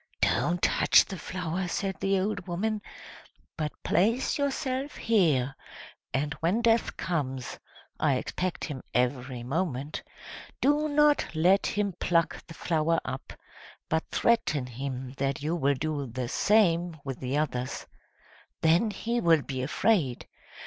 "Don't touch the flower!" said the old woman. "But place yourself here, and when Death comes I expect him every moment do not let him pluck the flower up, but threaten him that you will do the same with the others. Then he will be afraid!